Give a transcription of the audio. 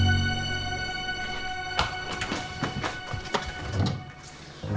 kopernya ada avk gak